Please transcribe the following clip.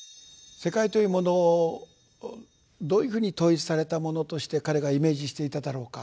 世界というものをどういうふうに統一されたものとして彼がイメージしていただろうか。